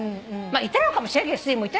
いたのかもしれないけどすりも。